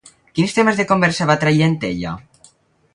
Quins temes de conversa va traient ella?